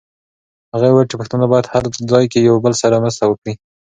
هغې وویل چې پښتانه باید هر ځای کې یو بل سره مرسته وکړي.